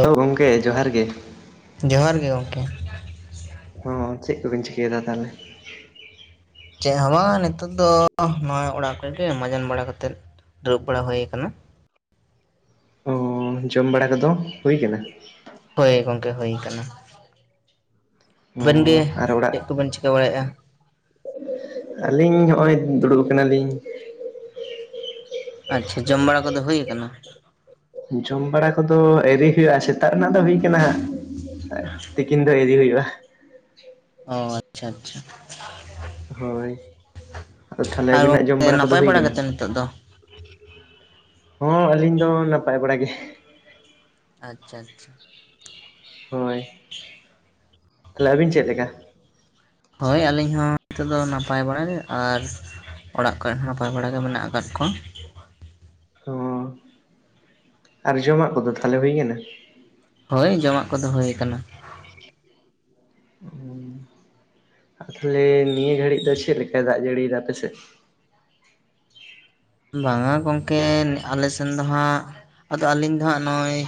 Hello ᱜᱚᱢᱠᱮ ᱡᱚᱦᱟᱨ ᱜᱮ᱾ ᱡᱚᱦᱟᱨ ᱜᱮ ᱜᱚᱝᱠᱮ᱾ ᱦᱚᱸ ᱪᱮᱫ ᱠᱚᱵᱤᱱ ᱪᱤᱠᱟᱹᱭᱮᱫᱟ ᱛᱟᱦᱚᱞᱮ? ᱪᱮᱫ ᱦᱚᱸ ᱵᱟᱝ ᱱᱤᱛᱚᱜ ᱫᱚ ᱱᱚᱣᱟ ᱚᱲᱟᱜ ᱠᱚᱨᱮ ᱜᱮ, ᱢᱟᱡᱟᱱ ᱵᱟᱲᱟ ᱠᱟᱛᱮᱫ ᱫᱩᱲᱩᱵ ᱵᱟᱲᱟ ᱦᱩᱭ ᱟᱠᱟᱱᱟ᱾ ᱚᱻ ᱡᱚᱢ ᱵᱟᱲᱟ ᱠᱚᱫᱚ ᱦᱩᱭ ᱟᱠᱟᱱᱟ? ᱦᱳᱭ ᱜᱚᱝᱠᱮ ᱦᱩᱭ ᱟᱠᱟᱱᱟ᱾ [inaudible] ᱚ ᱟᱵᱮᱱ ᱜᱮ ᱟᱨ ᱚᱲᱟᱜ ᱪᱮᱫ ᱠᱚᱵᱮᱱ ᱪᱤᱠᱟᱹ ᱵᱟᱲᱟᱭᱮᱜ-ᱟ? ᱟᱹᱞᱤᱧ ᱦᱚᱸᱜ-ᱚᱭ ᱫᱩᱲᱩᱵ ᱟᱠᱟᱱᱟ ᱞᱤᱧ᱾ ᱟᱪᱪᱷᱟ ᱾ ᱡᱚᱢ ᱵᱟᱲᱟ ᱠᱚᱫᱚ ᱦᱩᱭ ᱟᱠᱟᱱᱟ? ᱡᱚᱢ ᱵᱟᱲᱟ ᱠᱚᱫᱚ ᱟᱭᱨᱤ ᱦᱩᱭᱩᱜ-ᱟ, ᱥᱮ ᱛᱟᱜ ᱨᱮᱱᱟᱜ ᱫᱚ ᱦᱩᱭ ᱠᱟᱱᱟ ᱦᱟᱸᱜ ᱾ [inaudible] ᱛᱤᱠᱤᱱ ᱫᱚ ᱟᱭᱨᱤ ᱦᱩᱭᱩᱜ-ᱟ ᱾ ᱚ ᱟᱪᱪᱷᱟ ᱟᱪᱪᱷᱟ᱾ ᱦᱳᱭ ᱾ [inaudible] ᱟᱫᱚ ᱛᱟᱦᱞᱮ ᱟᱨ ᱟᱹᱵᱤᱱᱟᱜ ᱡᱚᱢ ᱜᱚᱢᱠᱮ ᱵᱟᱲᱟ ᱠᱚᱫᱚ ᱱᱟᱯᱟᱭ ᱦᱩᱭ ᱠᱟᱱᱟ? ᱜᱮᱛᱚ ᱱᱤᱛᱚᱜ ᱫᱚ ᱦᱚᱸ ᱟᱹᱞᱤᱧ ᱫᱚ ᱱᱟᱯᱟᱭ ᱵᱟᱲᱟ ᱜᱮ᱾ ᱟᱪᱪᱷᱟ ᱟᱪᱪᱷᱟ᱾ ᱦᱳᱭ ᱾ [inaudible] ᱛᱟᱦᱞᱮ ᱟᱹᱵᱤᱱ ᱪᱮᱫ ᱞᱮᱠᱟ? ᱦᱳᱭ ᱟᱹᱞᱤᱧ ᱦᱚᱸ ᱱᱤᱛᱚᱜ ᱫᱚ ᱱᱟᱯᱟᱭ ᱵᱟᱲᱟ ᱜᱮ ᱾ ᱟᱨ ᱚᱲᱟᱜ ᱠᱚᱨᱮ ᱦᱚᱸ ᱱᱟᱯᱟᱭ ᱵᱟᱲᱟ ᱜᱮ ᱢᱮᱱᱟᱜ ᱟᱠᱟᱫ ᱠᱚᱣᱟ᱾ ᱚᱸᱻ [inaudible] ᱟᱨ ᱡᱚᱢᱟᱜ ᱠᱚᱫᱚ ᱛᱟᱦᱚᱞᱮ ᱦᱩᱭ ᱟᱠᱟᱱᱟ? ᱦᱳᱭ ᱡᱚᱢᱟᱜ ᱠᱚᱫᱚ ᱦᱳᱭ ᱟᱠᱟᱱᱟ᱾ [inaudible] ᱛᱟᱦᱚᱞᱮ ᱱᱤᱭᱟᱹ ᱜᱷᱟᱹᱲᱤᱡ ᱫᱚ ᱪᱮᱫ ᱞᱮᱠᱟᱭ ᱫᱟᱜ ᱡᱟᱹᱲᱤᱭᱮᱫᱟ ᱟᱯᱮᱥᱮᱫ? ᱵᱟᱝᱟ ᱜᱚᱢᱠᱮ ᱟᱞᱮ ᱥᱮᱱ ᱫᱚ ᱦᱟᱸᱜ ᱟᱫᱚ ᱟᱹᱞᱤᱧ ᱫᱚ ᱦᱟᱸᱜ ᱱᱚᱜ-ᱚᱭ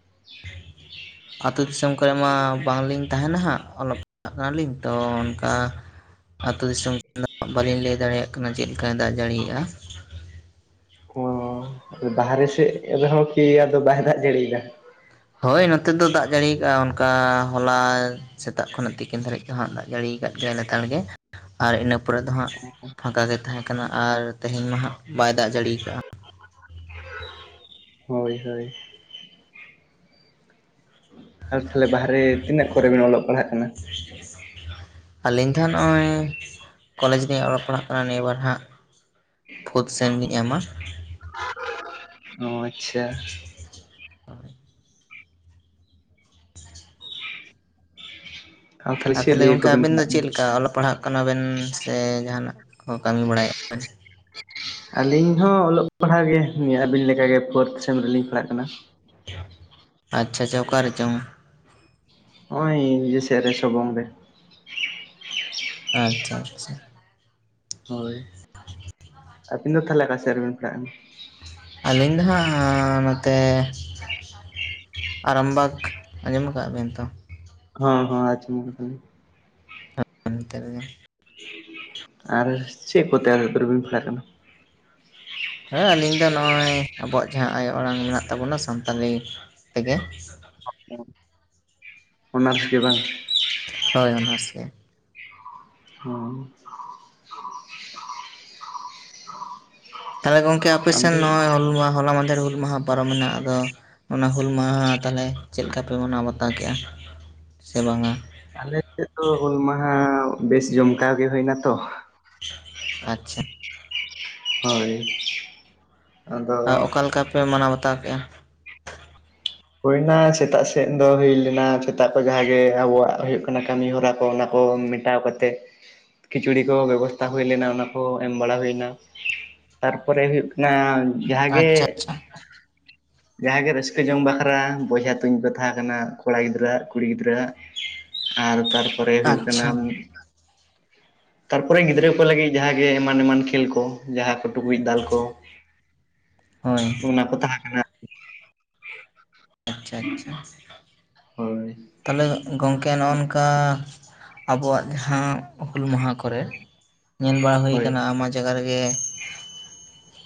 [inaudible] ᱟᱹᱛᱩ ᱫᱤᱥᱚᱢ ᱠᱚᱨᱮ ᱢᱟ ᱵᱟᱝᱞᱤᱧ ᱛᱟᱦᱮᱱᱟ ᱦᱟᱸᱜ ᱚᱞᱚᱜ ᱯᱟᱲᱦᱟᱜ ᱠᱟᱱᱟᱞᱤᱧ, ᱛᱚ ᱚᱱᱠᱟ ᱟᱹᱛᱩ ᱫᱤᱥᱚᱢ [inaudible] ᱵᱟᱞᱤᱧ ᱞᱟᱹᱭ ᱫᱟᱲᱮᱭᱟᱜ ᱠᱟᱱᱟ ᱪᱮᱫ ᱞᱮᱠᱟᱭ ᱫᱟᱜ ᱡᱟᱹᱲᱤᱭᱟᱜ-ᱟ ᱾ [unintelligible] ᱟᱫᱚ ᱵᱟᱦᱨᱮ ᱥᱮᱫ ᱨᱮᱦᱚᱸ ᱠᱤ ᱟᱫᱚ ᱵᱟᱭ ᱫᱟᱜ ᱡᱟᱹᱲᱤᱭᱮᱫᱟ? ᱦᱳᱭ ᱱᱚᱛᱮ ᱫᱚ ᱫᱟᱜ ᱡᱟᱹᱲᱤ ᱟᱠᱟᱜ-ᱟ, ᱚᱱᱠᱟ ᱦᱚᱞᱟ ᱥᱮᱛᱟᱜ ᱠᱷᱚᱱᱟᱜ ᱛᱤᱠᱤᱱ ᱫᱷᱟᱹᱨᱤᱡ ᱫᱚ ᱦᱟᱸᱜ ᱫᱟᱜ ᱡᱟᱹᱲᱤ ᱟᱠᱟᱫ ᱜᱮᱭᱟᱭ ᱞᱮᱛᱟᱲ ᱜᱮ᱾ ᱟᱨ ᱤᱱᱟᱹ ᱯᱚᱨᱮ ᱫᱚ ᱦᱟᱸᱜ ᱯᱷᱟᱸᱠᱟ ᱜᱮ ᱛᱟᱦᱮᱸ ᱠᱟᱱᱟ᱾ ᱟᱨ ᱛᱮᱦᱮᱧ ᱢᱟ ᱦᱟᱸᱜ ᱵᱟᱭ ᱫᱟᱜ ᱡᱟᱹᱲᱤ ᱟᱠᱟᱜ-ᱟ ᱾ [inaudible] ᱦᱳᱭ ᱦᱳᱭ᱾ ᱟᱨ ᱛᱟᱦᱞᱮ ᱵᱟᱦᱨᱮ ᱛᱤᱱᱟᱹᱜ ᱠᱚᱨᱮ ᱵᱮᱱ ᱚᱞᱚᱜ ᱯᱟᱲᱦᱟᱜ ᱠᱟᱱᱟ? [inaudible] ᱟᱹᱞᱤᱧ ᱫᱚ ᱦᱟᱸᱜ ᱱᱚᱜ-ᱚᱭ [inaudible] ᱠᱚᱞᱮᱡᱽ ᱨᱮ ᱞᱤᱧ ᱚᱞᱚᱜ ᱯᱟᱲᱦᱟᱜ ᱠᱟᱱᱟ ᱱᱤᱭᱟᱹ ᱵᱟᱨ ᱦᱟᱸᱜ᱾ ᱯᱷᱳᱨᱛ ᱥᱮᱢ ᱞᱤᱧ ᱮᱢᱟ᱾ [inaudible] ᱚ ᱟᱪᱪᱷᱟ ᱾ [inaudible] ᱟᱨ ᱪᱮᱫ ᱛᱟᱦᱚᱞᱮ ᱞᱤᱭᱮ ᱜᱚᱝᱠᱮ ᱠᱚᱵᱮᱱ ᱟᱵᱮᱱ ᱫᱚ ᱯᱟᱲᱦᱟᱜ ᱪᱮᱫ ᱠᱟᱱᱟ? ᱞᱮᱠᱟ, ᱚᱞᱚᱜ ᱯᱟᱲᱦᱟᱜ ᱠᱟᱱᱟ ᱵᱮᱱ ᱥᱮ ᱡᱟᱦᱟᱱᱟᱜ ᱠᱚ ᱠᱟᱹᱢᱤ ᱵᱟᱲᱟᱭᱮᱫ [unintelligible] ᱟᱹᱞᱤᱧ ᱦᱚᱸ ᱚᱞᱚᱜ ᱯᱟᱲᱦᱟᱜ ᱜᱮ ᱱᱤᱭᱟᱹ ᱟᱹᱵᱤᱱ ᱞᱮᱠᱟᱜᱮ ᱯᱷᱳᱨᱛ ᱥᱮᱢ ᱨᱮᱞᱤᱧ ᱯᱟᱲᱦᱟᱜ ᱠᱟᱱᱟ ᱾ [inaudible] ᱟᱪᱪᱷᱟ ᱟᱪᱪᱷᱟ, ᱚᱠᱟᱨᱮ ᱪᱚᱝ? ᱱᱚᱜ-ᱚᱭ ᱤᱭᱟᱹᱥᱮᱫ ᱨᱮ ᱥᱚᱵᱚᱝ ᱨᱮ ᱾ ᱟᱪᱪᱷᱟ ᱟᱪᱪᱷᱟ ᱾ ᱦᱳᱭ ᱾ [inaudible] ᱟᱹᱵᱤᱱ ᱫᱚ ᱛᱟᱦᱚᱞᱮ ᱚᱠᱟ ᱥᱮᱫ ᱨᱮᱵᱤᱱ ᱯᱟᱲᱟᱜ ᱠᱟᱱᱟ? ᱟᱹᱞᱤᱧ ᱫᱚ ᱦᱟᱸᱜ ᱱᱚᱛᱮ ᱟᱨᱟᱢᱵᱟᱜᱽ ᱟᱸᱡᱚᱢᱟ ᱠᱟᱜ ᱵᱤᱱ ᱛᱚ? ᱦᱮᱸ ᱦᱮ ᱟᱡᱚᱢ ᱠᱟᱫᱟᱞᱤᱧ ᱾ ᱚᱱᱛᱮ ᱨᱮᱜᱮ᱾ ᱟᱨ ᱪᱮᱫ ᱠᱚᱛᱮ [unintelligible] ᱫᱩᱨᱵᱤᱱ ᱯᱟᱲᱟᱜ ᱠᱟᱱᱟ? ᱦᱮᱸ ᱟᱹᱞᱤᱧ ᱫᱚ ᱱᱚᱜ-ᱚᱭ ᱟᱵᱚᱣᱟᱜ ᱡᱟᱦᱟᱸ ᱟᱭᱳ ᱟᱲᱟᱝ ᱢᱮᱱᱟᱜ ᱛᱟᱵᱚᱱᱟ ᱥᱟᱱᱛᱟᱲᱤ ᱛᱮᱜᱮ᱾ ᱚᱱᱟᱨᱥ ᱜᱮ ᱵᱟᱝ? ᱦᱳᱭ ᱚᱱᱟᱨᱥ ᱜᱮ ᱾ [unintelligible] ᱛᱟᱦᱚᱞᱮ ᱜᱚᱝᱠᱮ ᱟᱯᱮ ᱥᱮᱱ ᱟᱫᱚ ᱱᱚᱜ-ᱚᱭ ᱦᱩᱞ ᱢᱟᱦᱟ ᱦᱚᱞᱟ ᱢᱟᱫᱷᱮᱨ ᱦᱩᱞ ᱢᱟᱦᱟ ᱯᱟᱨᱚᱢ ᱢᱮᱱᱟᱜ-ᱟ, ᱟᱫᱚ ᱚᱱᱟ ᱦᱩᱞ ᱢᱟᱦᱟ ᱛᱟᱦᱚᱞᱮ ᱪᱮᱫ ᱞᱮᱠᱟ ᱯᱮ ᱢᱟᱱᱟᱣ ᱵᱟᱛᱟᱣ ᱠᱮᱜ-ᱟ? ᱥᱮ ᱵᱟᱝᱟ? ᱟᱞᱮ ᱥᱮᱫ ᱫᱚ ᱦᱩᱞ ᱢᱟᱦᱟ ᱵᱮᱥ ᱡᱚᱢᱠᱟᱣ ᱜᱮ ᱦᱩᱭᱱᱟᱛᱚ᱾ ᱟᱪᱪᱷᱟ᱾ ᱦᱳᱭ᱾ ᱟᱫᱚ ᱟᱨ ᱚᱠᱟ ᱞᱮᱠᱟ ᱯᱮ ᱢᱟᱱᱟᱣ ᱵᱟᱛᱟᱣ ᱠᱮᱜ-ᱟ? ᱦᱩᱭᱳᱭᱱᱟ ᱥᱮᱛᱟᱜ ᱥᱮᱫ ᱫᱚ ᱦᱩᱭ ᱞᱮᱱᱟ ᱥᱮᱛᱟᱜ ᱠᱚ ᱡᱟᱦᱟᱸᱜ ᱜᱮ ᱟᱵᱚᱣᱟᱜ ᱦᱩᱭᱩᱜ ᱠᱟᱱᱟ ᱠᱟᱹᱢᱤ ᱦᱚᱨᱟ ᱠᱚ ᱚᱱᱟ ᱠᱚ᱾ ᱠᱷᱟᱴᱟᱣ ᱠᱟᱛᱮᱫ ᱠᱷᱤᱪᱩᱲᱤ ᱠᱚ ᱵᱮᱵᱚᱥᱛᱟ ᱦᱩᱭ ᱞᱮᱱᱟ ᱚᱱᱟ ᱠᱚ ᱮᱢ ᱵᱟᱲᱟ ᱦᱩᱭᱱᱟ, ᱛᱟᱨᱯᱚᱨᱮ ᱦᱩᱭᱩᱜ ᱚᱱᱟ ᱡᱟᱦᱟᱸᱮ ᱟᱪᱪᱷᱟ ᱟᱪᱪᱷᱟ ᱡᱟᱦᱟᱸᱜ ᱜᱮ ᱨᱟᱹᱥᱠᱟᱹ ᱡᱚᱝ ᱵᱟ ᱠᱷᱟᱨᱟ ᱵᱚᱡᱦᱟ ᱛᱩᱧ ᱠᱚ ᱛᱟᱦᱮᱸ ᱠᱟᱱᱟ ᱠᱚᱲᱟ ᱜᱤᱫᱽᱨᱟᱹᱣᱟᱜ ᱠᱩᱲᱤ ᱜᱤᱫᱽᱨᱟᱹᱣᱟᱜ, ᱟᱨ ᱛᱟᱨ ᱯᱚᱨᱮ ᱦᱩᱭᱩᱜ ᱠᱟᱱᱟ ᱟᱪᱪᱷᱟ ᱛᱟᱨᱯᱚᱨᱮ ᱜᱤᱫᱽᱨᱟᱹ ᱠᱚ ᱞᱟᱹᱜᱤᱫ ᱡᱟᱦᱟᱸᱜ ᱜᱮ ᱮᱢᱟᱱ ᱮᱢᱟᱱ ᱠᱷᱮᱞ ᱠᱚ ᱡᱟᱦᱟᱸ ᱠᱚ ᱴᱩᱠᱩᱡ ᱫᱟᱞ ᱠᱚ᱾ [unintelligible] ᱦᱳᱭ᱾ ᱚᱱᱟ ᱠᱚ ᱛᱟᱦᱮᱸ ᱠᱟᱱᱟ ᱟᱨᱠᱤ ᱾ ᱟᱪᱪᱷᱟ ᱟᱪᱪᱷᱟ, ᱛᱟᱦᱚᱞᱮ ᱜᱚᱝᱠ ᱜᱚᱢᱠᱮ ᱱᱚᱜᱝᱠᱟ ᱟᱵᱚᱣᱟᱜ ᱡᱟᱦᱟᱸ ᱦᱩᱞ ᱢᱟᱦᱟ ᱠᱚᱨᱮ ᱧᱮᱞ ᱵᱟᱲᱟ ᱦᱩᱭ ᱦᱳᱭ ᱟᱠᱟᱱᱟ ᱟᱭᱢᱟ ᱡᱟᱭᱜᱟ ᱨᱮᱜᱮ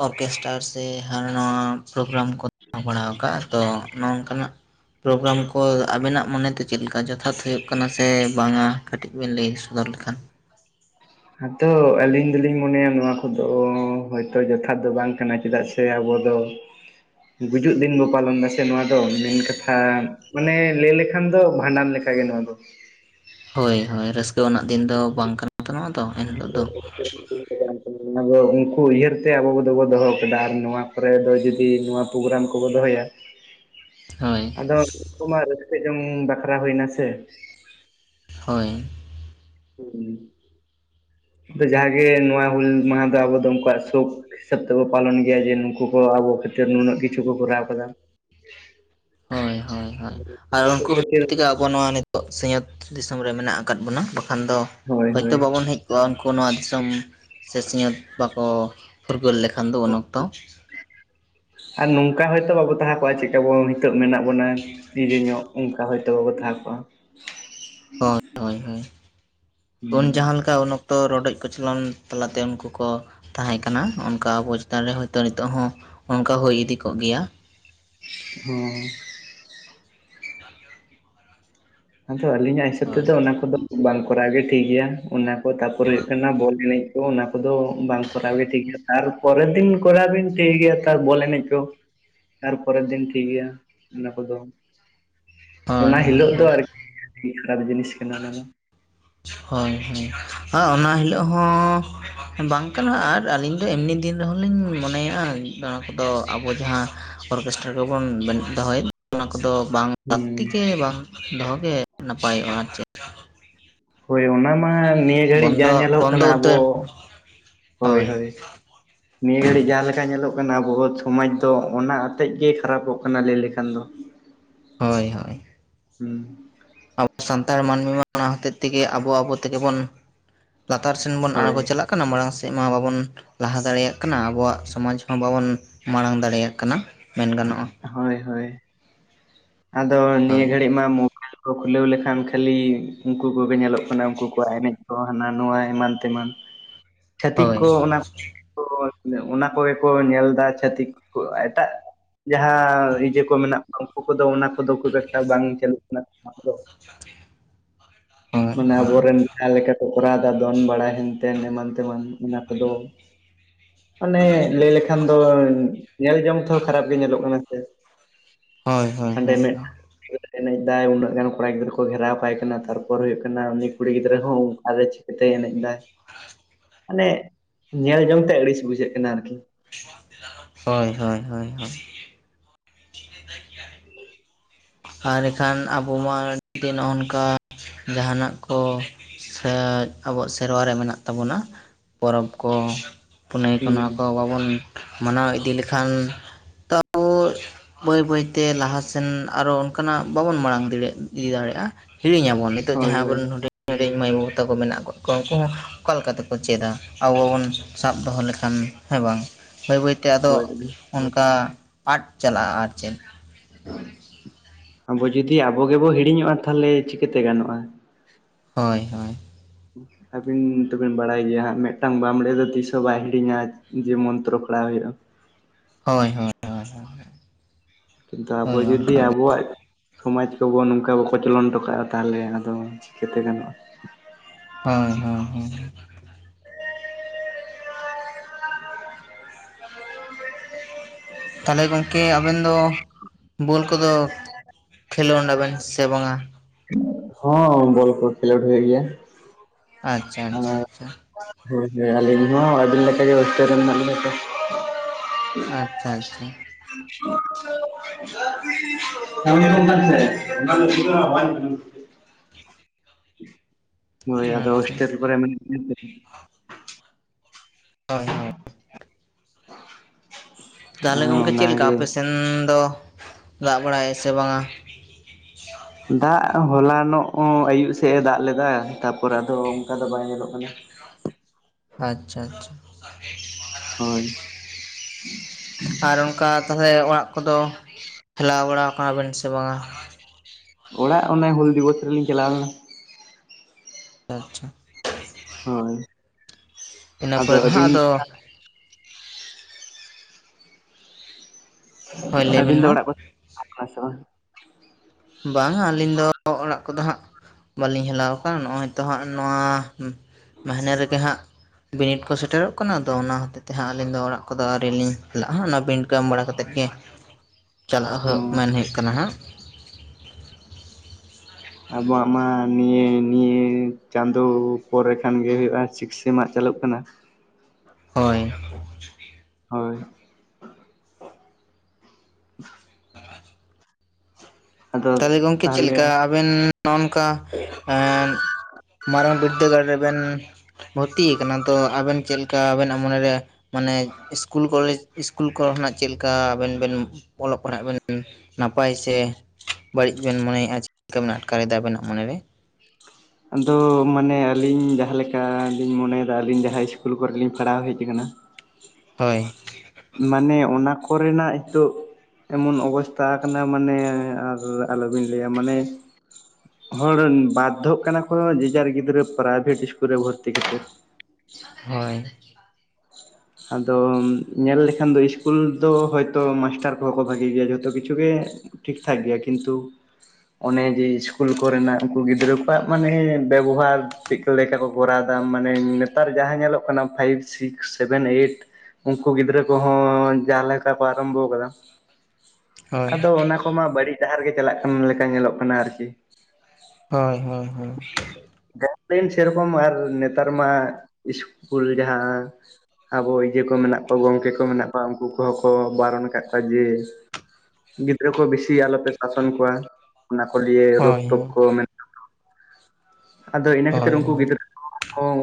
ᱚᱨᱠᱮᱥᱴᱟᱨ ᱥᱮ ᱦᱟᱱᱟ ᱱᱟᱣᱟ ᱯᱨᱳᱜᱨᱟᱢ ᱠᱚ ᱫᱚᱦᱚ ᱵᱟᱲ ᱠᱟᱜ-ᱟ ᱛᱚ ᱱᱚᱝᱠᱟᱱᱟᱜ ᱯᱨᱳᱜᱨᱟᱢ ᱠᱚ ᱟᱵᱮᱱᱟᱜ ᱢᱚᱱᱮᱛᱮ ᱪᱮᱫ ᱞᱮᱠᱟ ᱡᱚᱛᱷᱟᱛ ᱦᱩᱭᱩᱜ ᱠᱟᱱᱟ ᱥᱮ ᱵᱟᱝᱟ? ᱠᱟᱹᱴᱤᱡ ᱵᱤᱱ ᱞᱟᱹᱭ ᱥᱚᱫᱚᱨ ᱞᱮᱠᱷᱟᱱ ᱟᱫᱚ ᱟᱹᱞᱤᱧ ᱫᱚᱞᱤᱧ ᱢᱚᱱᱮᱭᱟ ᱱᱚᱣᱟ ᱠᱚᱫᱚ ᱦᱚᱭᱛᱚ ᱡᱚᱛᱷᱟᱛ ᱫᱚ ᱵᱟᱝ ᱠᱟᱱᱟ ᱪᱮᱫᱟᱜ ᱥᱮ ᱥᱮ ᱟᱵᱚ ᱫᱚ ᱜᱩᱡᱩᱜ ᱫᱤᱱ ᱵᱚᱱ ᱯᱟᱞᱚᱱ ᱮᱫᱟ ᱥᱮ ᱱᱚᱣᱟ ᱫᱚ ᱢᱮᱱ ᱠᱟᱛᱷᱟ᱾ ᱢᱟᱱᱮ ᱞᱟᱹᱭ ᱞᱮᱠᱷᱟᱱ ᱫᱚ ᱵᱷᱟᱸᱰᱟᱱ ᱞᱮᱠᱟᱜᱮ ᱱᱚᱣᱟ ᱫᱚ᱾ ᱦᱳᱭ ᱦᱳᱭ ᱨᱟᱹᱥᱠᱟᱹ ᱟᱱᱟᱜ ᱫᱤᱱ ᱫᱚ ᱵᱟᱝ ᱠᱟᱱᱟ ᱛᱚ ᱱᱚᱣᱟ ᱫᱚ ᱮᱱᱦᱤᱞᱳᱜ ᱫᱚ᱾ [unintelligible] ᱟᱫᱚ ᱩᱱᱠᱩ ᱩᱭᱦᱟᱹᱨ ᱛᱮ ᱟᱵᱚ ᱠᱚᱫᱚᱵᱚ ᱫᱚᱦᱚ ᱠᱟᱫᱟ ᱟᱨ ᱱᱚᱣᱟ ᱠᱚᱨᱮ ᱫᱚ ᱡᱩᱫᱤ ᱱᱚᱣᱟ ᱯᱨᱳᱜᱨᱟᱢ ᱠᱚᱵᱚ ᱫᱚᱦᱚᱭᱟ [unintelligible] ᱦᱳᱭ᱾ ᱟᱫᱚ ᱩᱱᱠᱩ ᱢᱟ ᱨᱟᱹᱥᱠᱟᱹ ᱡᱚᱝ ᱵᱟᱠᱷᱨᱟ ᱦᱩᱭᱱᱟ ᱥᱮ᱾ ᱦᱳᱭ᱾ ᱟᱫᱚ ᱡᱟᱜᱮ ᱱᱚᱣᱟ ᱦᱩᱞ ᱢᱟᱦᱟ ᱫᱚ ᱟᱵᱚ ᱫᱚ ᱩᱱᱠᱩᱣᱟᱜ ᱥᱳᱠ ᱦᱤᱥᱟᱹᱵ ᱛᱮᱠᱚ ᱯᱟᱞᱚᱱ ᱜᱮᱭᱟ ᱡᱮ ᱱᱩᱠᱩ ᱠᱚ ᱟᱵᱚ ᱠᱷᱟᱹᱛᱤᱨ ᱱᱩᱱᱟᱹᱜ ᱠᱤᱪᱷᱩ ᱠᱚ ᱠᱚᱨᱟᱣ ᱠᱟᱫᱟ ᱾ ᱦᱳᱭ ᱦᱳᱭ ᱦᱳᱭ ᱟᱨ ᱩᱱᱠᱩ [unintelligible] ᱦᱚᱛᱮ ᱛᱮᱜᱮ ᱟᱵᱚ ᱟᱵᱚ ᱱᱚᱣᱟ ᱱᱤᱛᱚᱜ ᱥᱤᱧᱚᱛ ᱫᱤᱥᱚᱢ ᱨᱮ ᱢᱮᱱᱟᱜ ᱟᱠᱟᱫ ᱵᱚᱱᱟ, ᱵᱟᱠᱷᱟᱱ ᱫᱚ ᱦᱳᱭ ᱦᱳᱭᱛᱚ ᱦᱳᱭ ᱵᱟᱵᱚᱱ ᱦᱮᱡ ᱟᱠᱟᱱᱟ, ᱩᱱᱠᱩ ᱱᱚᱣᱟ ᱫᱤᱥᱚᱢ ᱥᱮ ᱥᱤᱧᱚᱛ ᱵᱟᱠᱚ ᱯᱷᱩᱨᱜᱟᱹᱞ ᱞᱮᱠᱷᱟᱱ ᱫᱚ ᱩᱱ ᱚᱠᱛᱚ, ᱟᱨ ᱱᱚᱝᱠᱟ ᱦᱚᱳᱭᱛᱳ ᱵᱟᱵᱚ ᱛᱟᱦᱮᱸ ᱠᱚᱜᱼᱟ, ᱪᱮᱫᱞᱮᱠᱟᱵᱚᱱ ᱱᱤᱛᱳᱜ ᱢᱮᱱᱟᱜ ᱵᱚᱱᱟ ᱤᱡᱮ ᱧᱚᱜ, ᱚᱱᱠᱟ ᱦᱭᱛᱚ ᱵᱟᱵᱚ ᱛᱟᱦᱮᱱ ᱠᱚᱜᱼᱟ᱾ ᱦᱳᱭ ᱦᱳᱭ ᱦᱳ [unintelligible] ᱩᱱ ᱡᱟᱦᱟᱸᱠᱟ ᱩᱱ ᱚᱠᱛᱚ ᱨᱚᱰᱚᱡ ᱠᱚᱪᱚᱞᱚᱱ ᱞᱛᱟᱞᱟᱛᱮ ᱩᱱᱠᱩ ᱠᱚ, ᱛᱟᱦᱮᱸ ᱠᱟᱱᱟ ᱚᱱᱠᱟ ᱟᱵᱚ ᱪᱮᱛᱟᱱ ᱨᱮ ᱦᱳᱭᱛᱳ ᱱᱤᱛᱚᱜ ᱦᱚᱸ ᱚᱱᱠᱟ ᱦᱩᱭ ᱤᱫᱤ ᱠᱚᱜ ᱜᱮᱭᱟ, ᱦᱚ [inaudible] ᱟᱪᱪᱷᱟ ᱟᱹᱞᱤᱧᱟᱜ ᱦᱤᱥᱟᱹᱵ ᱦᱳᱭ ᱛᱮᱫᱚ ᱚᱱᱟ ᱠᱚᱫᱚ ᱵᱟᱝ ᱠᱚᱨᱟᱣ ᱜᱮ ᱴᱷᱤᱠ ᱜᱮᱭᱟ, ᱚᱱᱟ ᱠᱚ ᱛᱟᱯᱚᱨ ᱦᱩᱭᱩᱜ ᱠᱟᱱᱟ ᱵᱚᱞ ᱮᱱᱮᱡ, ᱛᱚ ᱚᱱᱟ ᱠᱚᱫᱚ ᱵᱟᱝ ᱠᱚᱨᱟᱣ ᱜᱮ ᱴᱷᱤᱠ ᱜᱮᱭᱟ, ᱛᱟᱨ ᱯᱚᱨᱮ ᱫᱤᱱ ᱠᱚᱨᱟᱣ ᱵᱤᱱ ᱴᱷᱤᱠ ᱜᱮᱭᱟ ᱛᱟᱨ ᱵᱚᱞ ᱮᱱᱮᱡ ᱠᱚ, ᱟᱨ ᱯᱚᱨᱮ ᱫᱤᱱ ᱴᱷᱤᱠ ᱜᱮᱭᱟ, ᱚᱱᱟ ᱠᱚᱫᱚ ᱦᱳᱭ, ᱠᱷᱨᱟ ᱵ ᱡᱤᱱ [unintelligible] ᱠᱟᱱᱟ ᱱᱟᱢᱟᱱᱟ ᱦᱳᱭ, ᱦᱳᱭ ᱚᱱᱟ ᱦᱤᱞᱳᱜ ᱦᱚᱸ, ᱵᱟᱝ ᱠᱟᱱᱟ, ᱟᱨ ᱟᱹᱞᱤᱧ ᱫᱚ ᱮᱢᱱᱤ ᱫᱤᱱ ᱨᱮᱦᱚᱸ ᱞᱤᱧ ᱢᱚᱱᱮᱭᱭᱟᱼᱟ ᱱᱚᱣᱟ ᱠᱚᱫᱚ ᱟᱵᱚ ᱡᱟᱦᱟᱸ ᱚᱨᱜᱮᱥᱴᱨᱟ ᱠᱚᱵᱚᱱ ᱫᱚᱦᱚᱭᱮᱫ, ᱚᱱᱟ ᱠᱚᱫᱚ ᱵᱟᱝ ᱦᱩᱸ ᱞᱟᱹᱠᱛᱤ ᱜᱮ, ᱵᱟᱝ ᱫᱚᱦᱚᱜᱮ ᱱᱟᱯᱟᱭᱚᱜᱼᱟ ᱟᱨ ᱪᱮᱫ? ᱦᱳᱭ ᱚᱱᱟ ᱢᱟ ᱱᱤᱭᱟᱹ ᱜᱷᱟᱹᱲᱤᱡ ᱡᱟ ᱵᱚᱱᱫᱚ ᱧᱮᱞᱚᱜ ᱠᱟᱱᱟ ᱵᱚᱱᱫᱚ ᱟᱵᱚ ᱩᱛᱟᱹᱨ ᱦᱳᱭ ᱦᱳᱭ, [inaudible] ᱱᱤᱭᱟᱹ ᱜᱷᱟᱹᱲᱤᱡ ᱡᱟᱦᱟᱸ ᱞᱮᱠᱟ ᱧᱮᱞᱚᱜ ᱠᱟᱱᱟ ᱟᱵᱚ ᱥᱚᱢᱟᱡᱽ ᱫᱚ, ᱚᱱᱟ ᱟᱛᱮᱫ ᱜᱮ ᱠᱷᱟᱨᱟᱯᱚᱜ ᱠᱟᱱᱟ ᱞᱟᱹᱭ ᱞᱮᱠᱷᱟᱱ ᱫᱚ, ᱦᱮᱸ [inaudible] ᱦᱳᱭ ᱦᱳᱭ, ᱦᱩᱸ [inaudible] ᱟᱵᱚ ᱥᱟᱱᱛᱟᱲ ᱢᱟᱹᱱᱢᱤ ᱢᱟ ᱚᱱᱟ ᱦᱚᱛᱮᱫ ᱛᱮᱜᱮ ᱟᱵᱚ ᱟᱵᱚ ᱛᱮᱜᱮ ᱵᱚᱱ ᱞᱟᱛᱟᱨ ᱥᱮᱱ ᱵᱚᱱ ᱟᱬᱜᱚ ᱦᱳᱭ ᱪᱟᱞᱟᱜ ᱠᱟᱱᱟ, ᱠᱟᱱᱟ, ᱢᱟᱲᱟᱝ ᱥᱮᱫ ᱢᱟ ᱵᱟᱵᱚᱱ, ᱞᱟᱦᱟ ᱫᱟᱲᱮᱭᱟᱜ ᱠᱟᱱᱟ ᱟᱵᱚᱣᱟᱜ ᱥᱚᱢᱟᱡᱽ ᱦᱚᱸ ᱵᱟᱵᱚᱱ ᱢᱟᱲᱟᱝ ᱫᱟᱲᱮᱭᱟᱜ ᱠᱟᱱᱟ ᱢᱮᱱ ᱜᱟᱱᱚᱜᱼᱟ, ᱦᱳᱭ ᱦᱳᱭ, ᱟᱫᱚ ᱱᱤᱭᱟᱹ ᱦᱳᱭ ᱜᱷᱟᱹᱲᱤᱡ ᱢᱟ, ᱯᱮᱡ ᱠᱚ ᱠᱷᱩᱞᱟᱹᱣ ᱞᱮᱠᱷᱟᱱ ᱠᱷᱟᱹᱞᱤ ᱩᱱᱠᱩ ᱠᱚᱜᱮ ᱧᱮᱞᱚᱜ ᱠᱟᱱᱟ ᱩᱱᱠᱩ ᱠᱚᱣᱟᱜ ᱮᱱᱮᱡ, ᱚ ᱦᱟᱱᱟ ᱱᱚᱣᱟ ᱮᱢᱟᱱ ᱛᱮᱢᱟᱱ ᱪᱷᱟᱹᱛᱤᱠ ᱦᱳᱭ ᱠᱚ ᱚᱱᱟ, ᱫᱚ ᱠᱚ ᱚᱱᱟ ᱠᱚᱜᱮ ᱠᱚ ᱧᱮᱞᱫᱟ ᱪᱟᱹᱛᱤᱠ ᱮᱴᱟᱜ ᱡᱟᱦᱟᱸ ᱰᱤᱡᱮ ᱠᱚ ᱢᱮᱱᱟᱜ ᱠᱚᱣᱟ ᱩᱱᱠᱩ ᱡᱟᱦᱟ ᱤᱡᱳ ᱠᱚᱫᱚ ᱚᱱᱟ ᱠᱚᱫᱚ ᱠᱷᱩᱵ [unintelligible] ᱮᱠᱴᱟ ᱵᱟᱝ ᱪᱟᱹᱞᱩᱜ ᱠᱟᱱᱟ ᱦᱳᱭ ᱢᱟᱱᱮ ᱦᱳᱭ ᱟᱵᱚᱨᱮᱱ ᱯᱮᱲᱟ ᱞᱮᱠᱟ ᱠᱚ ᱠᱚᱨᱟᱣ ᱮᱫᱟ ᱫᱚᱱ ᱵᱟᱲᱟᱭ ᱦᱮᱱᱛᱮ ᱮᱢᱟᱱ ᱛᱮᱢᱟᱱ, ᱟᱫᱚ, ᱢᱟᱱᱮ ᱞᱟᱹᱭ ᱞᱮᱠᱷᱟᱱ ᱫᱚ ᱧᱮᱞ ᱡᱚᱝ ᱛᱮᱦᱚᱸ ᱠᱷᱟᱨᱟᱯ ᱜᱮ ᱧᱮᱞᱚᱜ ᱠᱟᱱᱟ ᱥᱮ, ᱦᱳᱭ ᱦᱳᱭ ᱦᱳᱭ, ᱠᱩᱲ ᱜᱤᱫᱽᱨ ᱮᱱᱮᱡᱫᱟᱭ, ᱩᱱᱟᱹᱜ ᱜᱟᱱ ᱠᱚᱲᱟ ᱜᱤᱫᱨᱟᱹ ᱜᱷᱮᱨᱟᱣ ᱠᱟᱭ ᱠᱟᱱᱟ ᱛᱟᱨᱯᱚᱨ, ᱯᱚᱨᱮ ᱦᱩᱭᱩᱜ ᱠᱟᱱᱟ, ᱩᱱᱤ ᱠᱩᱲᱤ ᱜᱤᱫᱽᱨᱟᱹ ᱦᱚᱸ ᱚᱫᱚ ᱪᱤᱠᱟᱹᱛᱮ ᱮᱱᱮᱡ ᱫᱟᱭ, [inaudible] ᱢᱟᱱᱮ, ᱧᱮᱞᱡᱚᱝ ᱛᱮ ᱟᱹᱲᱤᱥ ᱵᱩᱡᱷᱟᱹᱜ ᱠᱟᱱᱟ ᱟᱨᱠᱤ, ᱦᱳᱭ ᱦᱳᱭ ᱦᱳᱭ, ᱪᱤᱱ ᱫ [unintelligible] ᱦ [inaudible] ᱟᱨ ᱮᱱᱠᱷᱟᱱ ᱟᱵᱚ ᱢᱟ [unintelligible] ᱡᱩᱫᱤ ᱱᱚᱜᱝᱠᱟ ᱡᱟᱦᱟᱱᱟᱜ ᱠᱚ ᱟᱵᱚᱣᱟᱜ ᱥᱮᱨᱣᱟ ᱨᱮ ᱢᱮᱱᱟᱜ ᱛᱟᱵᱚᱱᱟ, ᱯᱚᱨᱚᱵᱽ ᱠᱚ, ᱯᱩᱱᱟᱹᱭ ᱠᱚ ᱦᱩᱸ ᱱᱚᱣᱟ ᱠᱚ, ᱵᱟᱵᱚᱱ ᱢᱟᱱᱟᱣ ᱤᱫᱤ ᱞᱮᱠᱷᱟᱱ ᱛᱚ ᱟᱵᱳ ᱵᱟᱹᱭ ᱵᱟᱹᱭᱛᱮ ᱞᱟᱦᱟ ᱥᱮᱱ ᱟᱨᱚ ᱚᱱᱠᱟᱱᱟᱜ ᱵᱟᱵᱚᱱ ᱢᱟᱲᱟᱝ ᱤᱫᱤ ᱫᱟᱲᱮᱭᱟᱜᱼᱟ᱾ ᱦᱤᱲᱤᱧ ᱟᱵᱚᱱ ᱱᱤᱛᱚᱜ ᱦᱳᱭ ᱡᱟᱦᱟᱸ ᱟᱵᱚ ᱦᱳᱭ ᱨᱮᱱ ᱦᱩᱰᱤᱝ ᱦᱩᱰᱤᱝ ᱢᱟᱹᱭ ᱵᱟᱹᱵᱩ ᱛᱟᱠᱚ, ᱢᱮᱱᱟᱜ ᱟᱠᱟᱫ ᱠᱚᱣᱟ ᱩᱱᱠᱩ ᱦᱚᱸ ᱚᱠᱟ ᱞᱮᱠᱟ ᱞᱮᱠᱟᱛᱮᱠᱚ ᱪᱮᱫᱟ? ᱟᱵᱚ ᱵᱚᱱ ᱥᱟᱵ ᱫᱚᱦᱚ ᱞᱮᱠᱷᱟᱱ ᱦᱮᱸ ᱵᱟᱝ ᱵᱟᱹᱭ ᱵᱟᱹᱭᱛᱮ ᱛᱮ ᱟᱫᱚ ᱦᱳᱭ ᱫᱤᱫᱤ, ᱚᱱᱠᱟ ᱟᱫ ᱪᱟᱞᱟᱜᱼᱟ ᱟᱨ ᱪᱮᱫ ᱟᱵᱚ ᱡᱩᱫᱤ ᱟᱵᱚ ᱜᱮᱵᱚ ᱦᱤᱲᱤᱧᱚᱜᱼᱟ᱾ ᱛᱟᱦᱚᱞᱮ ᱪᱤᱠᱟᱹᱛᱮ ᱜᱟᱱᱚᱜᱼᱟ? ᱦᱳᱭ ᱦᱳᱭ ᱟᱹᱵᱤᱱ ᱛᱚᱵᱤᱱ ᱵᱟᱲᱟᱭ ᱜᱮᱭᱟ ᱦᱟᱸᱜ, ᱢᱤᱫᱴᱟᱝ ᱵᱟᱢᱵᱲᱮ ᱫᱚ ᱛᱤᱥ ᱦᱚᱸ ᱵᱟᱭ ᱦᱤᱲᱤᱧᱟ ᱡᱮ ᱢᱚᱱᱛᱨᱚ ᱠᱷᱟᱲᱟᱣ ᱦᱩᱭᱩᱜᱼᱟ ᱾ ᱦᱳᱭ ᱦᱳᱭ ᱦᱳᱭ ᱦᱳᱭ ᱚᱱᱠᱟ ᱜᱮ [inaudible] ᱥᱚᱢᱟᱡᱽ ᱠᱚᱵᱚ ᱱᱚᱝᱠᱟ ᱵᱟᱠᱚ ᱪᱚᱞᱚᱱ ᱦᱚᱴᱚ ᱠᱟᱜᱼᱟ ᱛᱟᱦᱚᱞᱮ ᱟᱫᱚ ᱪᱤᱠᱟᱹᱛᱮ ᱜᱟᱱᱚᱜᱼᱟ᱾ ᱦᱳᱭ ᱦᱳᱭ ᱦᱚᱭ ᱛᱟᱦᱚᱞᱮ ᱜᱚᱜᱠᱮ ᱟᱵᱮᱱ ᱫᱚ, ᱵᱚᱞ ᱠᱚᱫᱚ ᱠᱷᱮᱞᱳᱰ ᱟᱵᱮᱱ ᱥᱮ ᱵᱟᱝᱟ? ᱦᱚᱸ ᱵᱚᱞ ᱠᱚ ᱠᱷᱮᱞᱳᱰ ᱦᱩᱭᱩᱜ ᱜᱮᱭᱟ ᱾ ᱟᱪᱪᱷᱟ ᱟᱪᱪᱷᱟ ᱟᱪᱪᱷᱟ [unintelligible] ᱦᱳᱭ ᱦᱳᱭ ᱟᱹᱞᱤᱧ ᱦᱚᱸ ᱟᱹᱵᱤᱱ ᱞᱮᱠᱟ [unintelligible] ᱨᱮ ᱢᱮᱱᱟᱜ ᱞᱤᱧᱟ ᱛᱚ? ᱟᱪᱪᱷᱟ ᱟᱪᱪᱷᱟ [unintelligible] [unintelligible] ᱦᱳᱭ ᱟᱫᱚ ᱟᱪᱪᱷᱟ ᱦᱳᱥᱴᱮᱞ [unintelligible] ᱞᱤᱝ ᱦᱳᱭ ᱦᱳᱭ ᱛᱟᱦᱚᱞᱮ ᱜᱚᱝᱠᱮ ᱪᱮᱫ ᱞᱮᱠᱟ ᱚᱱᱟᱜᱮ ᱟᱯᱮ ᱥᱮᱱ ᱫᱚ, ᱫᱟᱜ ᱵᱟᱲᱟᱭᱟ ᱥᱮ ᱵᱟᱝᱟ? ᱫᱟᱜ ᱦᱚᱞᱟᱱᱚᱜ ᱟᱹᱭᱩᱵ ᱥᱮᱫ ᱮ ᱫᱟᱜ ᱞᱮᱫᱟ᱾ ᱛᱟᱯᱚᱨᱮ ᱟᱫᱚ ᱚᱱᱠᱟ ᱫᱚ ᱵᱟᱭ ᱧᱮᱞᱚᱜ ᱠᱟᱱᱟ? ᱟᱪᱪᱷᱟ ᱟᱪᱪᱷᱟ ᱦᱚᱭ ᱟᱨ ᱚᱱᱠᱟ ᱛᱟᱦᱚᱞᱮ, ᱚᱲᱟᱜ ᱠᱚᱫᱚ ᱴᱮᱞᱟᱣ ᱵᱟᱲᱟᱣ ᱠᱟᱱᱟᱵᱱ ᱥᱮ ᱵᱟᱝᱟ? ᱚᱲᱟᱜ ᱚᱱᱟ ᱦᱩᱞ ᱫᱤᱵᱚᱥ ᱨᱮᱞᱤᱧ ᱪᱟᱞᱟᱣ ᱞᱮᱱᱟ ᱾ ᱚ -ᱟᱪᱪᱷᱟ ᱦᱳᱭ ᱤᱱᱟᱹ ᱯᱚᱨᱮ ᱫᱚ ᱦᱟᱸᱜ ᱟᱫᱚ ᱦᱳᱭ ᱞᱟᱹᱭ ᱵᱤᱱ ᱟᱹᱵᱤᱱ ᱫᱚ ᱢᱟ ᱚᱲᱟᱜ ᱠᱚ ᱪᱟᱞᱟᱣ ᱠᱟᱱᱟ ᱥᱮ ᱵᱟᱝ-ᱟ? ᱵᱟᱝᱟ ᱟᱹᱞᱤᱧ ᱫᱚ ᱚᱲᱟᱜ ᱠᱚᱫᱚ ᱦᱟᱸᱜ, ᱵᱟᱹᱞᱤᱧ ᱦᱮᱞᱟᱣ ᱠᱟᱱ ᱱᱚᱜᱼᱚᱭ ᱛᱚ ᱦᱟᱸᱜ ᱱᱚᱣᱟ ᱢᱟᱹᱦᱱᱮᱹ ᱨᱮᱜᱮ ᱦᱟᱸᱜ ᱵᱤᱱᱤᱰ ᱠᱚ ᱥᱮᱴᱮᱨᱚᱜ ᱠᱟᱱᱟ ᱟᱫᱚ ᱚᱱᱟ ᱦᱚᱛᱮᱡ ᱛᱮᱦᱟᱸᱜ ᱟᱹᱞᱤᱧ ᱫᱚ ᱚᱲᱟᱜ ᱠᱚᱫᱚ ᱟᱣᱨᱤᱧ ᱞᱤᱧ ᱪᱟᱞᱟᱜᱼᱟ ᱾ ᱚᱱᱟ ᱵᱤᱤᱰ ᱠᱚ ᱮᱢ ᱵᱟᱲᱟ ᱠᱟᱛᱮᱫ ᱜᱮ ᱪᱟᱞᱟᱣ ᱦᱩᱭᱩᱜ, ᱢᱮᱱ ᱦᱩᱭᱩᱜ ᱠᱟᱱᱟ ᱦᱟᱸᱜ ᱟᱵᱚᱣᱟᱜ ᱢᱟ ᱱᱤᱭᱟᱹ ᱱᱤᱭᱟᱹ ᱪᱟᱸᱫᱳ ᱯᱚᱨᱮ ᱠᱷᱟᱱ ᱜᱮ ᱦᱩᱭᱩᱜᱼᱟ ᱾ ᱥᱤᱠᱥ ᱨᱮᱱᱟᱜ ᱪᱟᱹᱟ ᱞᱩᱜ ᱠᱟᱱᱟ ᱾ ᱦᱳᱭ ᱦᱚᱭ [unintelligible] ᱟᱫᱚ ᱛᱟᱦᱚᱞᱮ ᱜᱚᱝᱠᱮ ᱪᱮᱫ ᱞᱮᱠᱟ ᱛᱟᱦᱚᱞᱮ ᱟᱵᱮᱱ ᱱᱚᱜᱠᱟ, ᱱᱚᱝᱠᱟ ᱢᱟᱨᱟᱝ ᱵᱤᱨᱫᱫᱟᱹᱜᱟᱲ ᱨᱮᱵᱮᱱ ᱵᱷᱚᱨᱛᱤ ᱠᱟᱱᱟ ᱛᱚ ᱟᱵᱮᱱ ᱪᱮᱫ ᱪᱮᱫ ᱞᱮᱠᱟ ᱟᱵᱮᱱᱟᱜ ᱢᱚᱱᱮ ᱨᱮ, ᱢᱟᱱᱮ ᱤᱥᱠᱩᱞ ᱠᱚᱞᱮᱡᱽ ᱤᱥᱠᱩᱞ ᱠᱚᱨᱮᱱᱟᱜ ᱪᱮᱫ ᱞᱮᱠᱟ ᱟᱵᱮᱱ ᱵᱮᱱ ᱚᱞᱚᱜ ᱯᱟᱲᱦᱟᱜ ᱵᱮᱱ ᱱᱟᱯᱟᱭ ᱥᱮ ᱵᱟᱹᱲᱤᱡ ᱵᱮᱱ ᱢᱚᱱᱮᱭ-ᱟ ᱪᱮᱫ ᱞᱮᱠᱟ ᱵᱮᱱ ᱟᱴᱠᱟᱨᱮᱫᱟ ᱟᱵᱮᱱᱟᱜ ᱢᱚᱱᱮ ᱨᱮ? ᱟᱫᱚ ᱢᱟᱱᱮ ᱟᱹᱞᱤᱧ ᱡᱟᱦᱟᱸ ᱞᱮᱠᱟ ᱞᱤᱧ ᱢᱚᱱᱮᱭ ᱮᱫᱟ ᱟᱹᱞᱤᱧ ᱡᱟᱦᱟᱸ ᱤᱥᱠᱩᱞ ᱠᱚᱨᱮ ᱞᱤᱧ ᱯᱟᱲᱦᱟᱣ ᱦᱮᱡ ᱠᱟᱱᱟ᱾ ᱦᱚᱭ ᱢᱟᱱᱮ ᱚᱱᱟ ᱠᱚᱨᱮᱱᱟᱜ ᱦᱤᱛᱳᱜ ᱮᱢᱚᱱ ᱚᱵᱚᱥᱛᱟ ᱠᱟᱱᱟ ᱢᱟᱱᱮ ᱟᱨ ᱟᱞᱚᱵᱤᱱ ᱞᱟᱹᱭᱟ ᱢᱟᱱᱮ ᱦᱚᱲ ᱵᱟᱫᱽ-ᱫᱷᱳᱜ ᱠᱟᱱᱟ ᱠᱚ ᱡᱮᱡᱟᱨ ᱜᱤᱫᱽᱨᱟᱹ ᱯᱨᱟᱭᱵᱷᱮᱴ ᱤᱥᱠᱩᱞ ᱨᱮ ᱵᱷᱚᱨᱛᱤ ᱠᱷᱟᱹᱛᱤᱨ᱾ ᱦᱚᱭ ᱟᱫᱚ ᱧᱮᱞ ᱞᱮᱠᱷᱟᱱ ᱫᱚ ᱥᱠᱩᱞ ᱫᱚ ᱦᱚᱭ ᱛᱚ ᱢᱟᱥᱴᱟᱨ ᱠᱚᱦᱚᱸ ᱠᱚ ᱵᱷᱟᱹᱜᱤ ᱜᱮᱭᱟ ᱡᱷᱚᱛᱚ ᱠᱤᱪᱷᱩ ᱜᱮ ᱴᱷᱤᱠ ᱴᱷᱟᱠ ᱜᱮᱭᱟ ᱠᱤᱱᱛᱩ ᱚᱱᱮ ᱡᱮ ᱤᱥᱠᱩᱞ ᱠᱚᱨᱮᱱᱟᱜ ᱩᱱᱠᱩ ᱜᱤᱫᱽᱨᱟᱹ -ᱣᱟᱜ ᱢᱟᱱᱮ ᱵᱮᱵᱚᱦᱟᱨ ᱪᱮᱫ ᱞᱮᱠᱟ ᱠᱚ ᱠᱚᱨᱟᱣ ᱮᱫᱟ ᱢᱟᱱᱮ ᱱᱮᱛᱟᱨ ᱡᱟᱦᱟᱸ ᱧᱮᱞᱚᱜ ᱠᱟᱱᱟ ᱯᱷᱟᱭᱤᱵᱽ, ᱥᱤᱠᱥ, ᱥᱮᱵᱷᱮᱱ, ᱮᱭᱤᱴ ᱩᱱᱠᱩ ᱜᱤᱫᱽᱨᱟᱹ ᱠᱚᱦᱚᱸ ᱡᱟᱦᱟᱸ ᱞᱮᱠᱟ ᱠᱚ ᱟᱨᱟᱢᱵᱚ ᱟᱠᱟᱫᱟ᱾ ᱦᱳᱭ ᱟᱫᱚ ᱚᱱᱟ ᱠᱚᱢᱟ ᱵᱟᱹᱲᱤᱡ ᱰᱟᱦᱟᱨ ᱜᱮ ᱪᱟᱞᱟᱜ ᱠᱟᱱ ᱞᱮᱠᱟ ᱧᱮᱞᱚᱜ ᱠᱟᱱᱟ ᱟᱨᱠᱤ᱾ ᱦᱳᱭ ᱦᱳᱭ ᱦᱳᱭ, ᱜᱟᱨᱞᱟᱭᱤᱱ ᱥᱮ ᱨᱚᱠᱚᱢ ᱟᱨ ᱱᱮᱛᱟᱨ ᱢᱟ ᱤᱥᱠᱩᱞ ᱡᱟᱦᱟᱸ ᱟᱵᱚ ᱤᱭᱟᱹ ᱠᱚ ᱢᱮᱱᱟᱜ ᱠᱚᱣᱟ ᱜᱚᱝᱠᱮ ᱠᱚ ᱢᱮᱱᱟᱜ ᱠᱚᱣᱟ, ᱩᱱᱠᱩ ᱠᱚᱦᱚᱸ ᱠᱚ ᱵᱟᱨᱚᱱ ᱟᱠᱟᱫ ᱠᱚᱣᱟ ᱡᱮ ᱜᱤᱫᱽᱨᱟᱹ ᱠᱚ ᱵᱮᱥᱤ ᱟᱞᱚ ᱯᱮ ᱥᱟᱥᱚᱱ ᱠᱚᱣᱟ ᱚᱱᱟ ᱠᱚ ᱞᱤᱭᱮ ᱨᱳᱜᱽ ᱦᱳᱭ ᱦᱳᱭ ᱴᱳᱜ ᱠᱚ ᱟᱫᱚ ᱤᱱᱟᱹ ᱠᱷᱟᱹᱛᱤᱨ ᱦᱳᱭ ᱩᱱᱠᱩ ᱦᱳᱭ ᱜᱤᱫᱽᱨᱟᱹ ᱠᱚᱦᱚᱸ ᱦᱚᱸ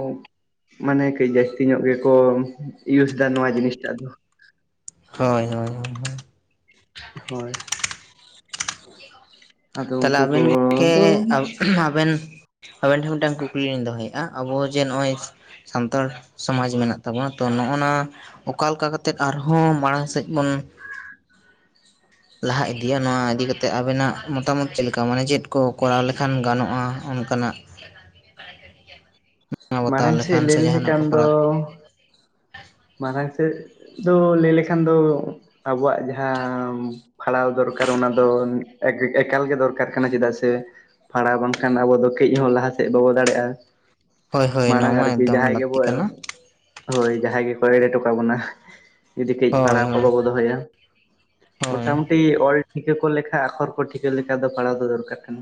ᱢᱟᱱᱮ ᱠᱟᱹᱡ ᱡᱟᱹᱥᱛᱤ ᱧᱚᱜ ᱜᱮᱠᱚ ᱤᱭᱩᱥ ᱮᱫᱟ ᱱᱚᱣᱟ ᱡᱤᱱᱤᱥ ᱴᱟᱜ ᱫᱚ᱾ ᱦᱳᱭ ᱦᱳᱭ ᱦᱳᱭ ᱦᱳᱭ᱾ ᱦᱳᱭ ᱟᱫᱚ ᱛᱟᱦᱞᱮ ᱩᱱᱠᱩ ᱟᱵᱮᱱ ᱜᱚᱝᱠᱮ ᱠᱚᱫᱚ ᱟᱵᱮᱱ ᱟᱵᱮᱱ ᱴᱷᱮᱱ ᱢᱤᱫ ᱴᱟᱱ ᱠᱩᱠᱞᱤ ᱞᱤᱧ ᱫᱚᱦᱚᱭᱮᱫ-ᱟ᱾ ᱟᱵᱚ ᱡᱮ ᱱᱚᱜ-ᱚᱭ ᱥᱟᱱᱛᱟᱲ ᱥᱚᱢᱟᱡᱽ ᱢᱮᱱᱟᱜ ᱛᱟᱵᱚᱱᱟ ᱛᱚ ᱱᱚᱜ-ᱚ ᱱᱟ ᱚᱠᱟ ᱞᱮᱠᱟ ᱠᱟᱛᱮᱫ ᱟᱨ ᱦᱚᱸ ᱢᱟᱲᱟᱝ ᱥᱮᱫ ᱵᱚᱱ [inaudible] ᱞᱟᱦᱟ ᱤᱫᱤᱭᱟ ᱱᱚᱣᱟ ᱤᱫᱤ ᱠᱟᱛᱮᱫ ᱟᱵᱮᱱᱟᱜ ᱢᱚ- ᱛᱟᱢᱚᱛ ᱪᱮᱫ ᱞᱮᱠᱟ ᱢᱟᱱᱮ ᱪᱮᱫ ᱠᱚ ᱠᱚᱨᱟᱣ ᱞᱮᱠᱷᱟᱱ ᱜᱟᱱᱚᱜ-ᱟ ᱚᱱᱠᱟ ᱱᱟᱜ? ᱵᱟᱛᱟᱣ ᱢᱟᱲᱟᱝ ᱥᱮᱫ ᱞᱮᱠᱷᱟᱱ ᱞᱟᱹᱭ ᱥᱮ ᱞᱮᱞᱦᱮ ᱡᱟᱦᱟᱱᱟᱜ ᱠᱟᱱ ᱠᱚ ᱫᱚ᱾ ᱠᱚᱨᱟᱣ ᱢᱟᱲᱟᱝ ᱥᱮᱫ ᱫᱚ ᱞᱟᱹᱭ ᱞᱮᱠᱷᱟᱱ ᱫᱚ ᱟᱵᱚᱣᱟᱜ ᱡᱟᱦᱟᱸ ᱯᱷᱟᱲᱟᱣ ᱫᱚᱨᱠᱟᱨ ᱚᱱᱟ ᱫᱚ ᱮᱠᱟᱞ ᱜᱮ ᱫᱚᱨᱠᱟᱨ ᱠᱟᱱᱟ ᱪᱮᱫᱟᱜ ᱥᱮ ᱯᱷᱟᱲᱟᱣ ᱵᱟᱝᱠᱷᱟᱱ ᱟᱵᱚ ᱫᱚ ᱠᱟᱹᱡ ᱦᱚᱸ ᱞᱟᱦᱟ ᱪᱮᱫ ᱵᱟᱵᱚ ᱫᱟᱲᱮᱭᱟᱜ-ᱟ᱾ ᱦᱳᱭ ᱦᱳᱭ ᱢᱟᱲᱟᱝ ᱱᱚᱣᱟ ᱢᱟ ᱟᱨᱠᱤ ᱮᱠᱫᱚᱢ ᱡᱟᱦᱟᱭ ᱜᱮᱵᱚ ᱞᱟᱹᱠᱛᱤ ᱮᱦᱚᱵ ᱠᱟᱱᱟ ᱦᱳᱭ ᱡᱟᱦᱟᱸᱭ ᱜᱮᱠᱚ ᱮᱲᱮ ᱦᱚᱴᱚ ᱠᱟᱵᱚᱱᱟ ᱡᱩᱫᱤ ᱠᱟᱹᱡ ᱦᱳᱭ ᱯᱟᱲᱟᱣ ᱠᱚ ᱦᱳᱭ ᱵᱟᱵᱚ ᱫᱚᱦᱚᱭᱟ᱾ ᱦᱳᱭ ᱢᱚᱴᱟ ᱢᱩᱴᱤ ᱚᱞ ᱴᱷᱤᱠᱟᱹ ᱠᱚ ᱞᱮᱠᱷᱟ ᱟᱠᱷᱚᱨ ᱠᱚ ᱴᱷᱤᱠᱟᱹ ᱞᱮᱠᱷᱟ ᱫᱚ ᱯᱟᱲᱦᱟᱣ ᱫᱚ ᱫᱚᱨᱠᱟᱨ ᱠᱟᱱᱟ᱾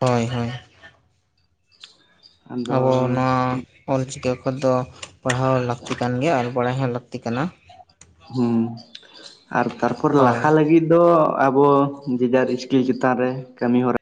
ᱦᱳᱭ ᱦᱳᱭ, ᱟᱫᱚ ᱟᱵᱚ ᱱᱚᱣᱟ ᱚᱞ ᱪᱤᱠᱤ ᱚᱠᱷᱚᱨ ᱫᱚ ᱯᱟᱲᱦᱟᱣ ᱞᱟᱹᱠᱛᱤ ᱠᱟᱱ ᱜᱮᱭᱟ ᱟᱨ ᱵᱟᱲᱟᱭ ᱦᱚᱸ ᱞᱟᱹᱠᱛᱤ ᱠᱟᱱᱟ᱾ ᱦᱩᱸ ᱟᱨ ᱛᱟᱨᱯᱚᱨ ᱦᱳᱭ ᱞᱟᱦᱟ ᱞᱟᱹᱜᱤᱫ ᱫᱚ ᱟᱵᱚ ᱡᱮᱡᱟᱨ ᱤᱥᱠᱤᱞ ᱪᱮᱛᱟᱱ ᱨᱮ ᱠᱟᱹᱢᱤ ᱦᱚᱨᱟ